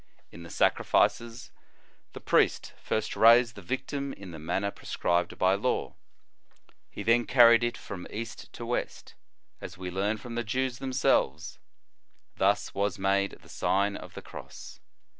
In the sacrifices, the priest first raised the victim in the manner prescribed by law. He then carried it from east to west, as we learn from the Jews themselves ; thus was made the Sign of the Cross.